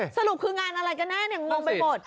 สรุปคืองานอะไรกันแน่งงไปหมด